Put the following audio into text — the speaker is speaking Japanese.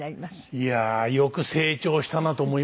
いやーよく成長したなと思いますね。